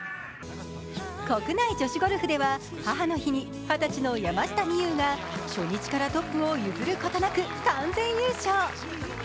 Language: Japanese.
国内女子ゴルフでは母の日に二十歳の山下美夢有が初日からトップを譲ることなく完全優勝。